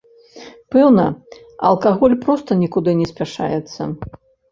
Пэўна, алкаголь проста нікуды не спяшаецца.